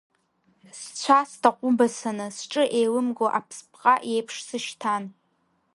Сцәа сҭаҟәыбасаны, сҿы еилымго аԥспҟа иеиԥш сышьҭан.